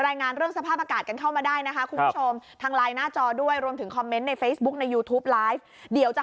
อย่างไงอย่างนั้นเลยค่ะ